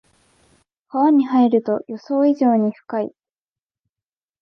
川に入ると予想以上に深い